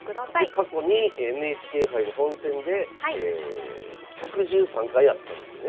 で過去にＮＨＫ杯の本戦で１１３回あったんですよね。